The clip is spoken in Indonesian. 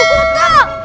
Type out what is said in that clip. kamu disuruh nyatu